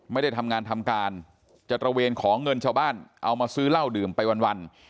ไม่ได้ทำงานทำการจะตระเวนขอเงินชาวบ้านเอามาซื้อเหล้าดื่มไปวัน